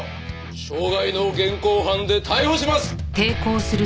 傷害の現行犯で逮捕します！